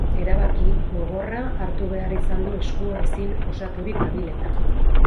Erabaki gogorra hartu behar izan du eskua ezin osaturik dabil eta.